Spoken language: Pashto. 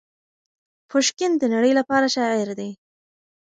پوشکین د نړۍ لپاره شاعر دی.